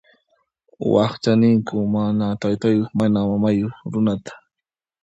Wakcha ninku mana taytayuq mana mamayuq runata.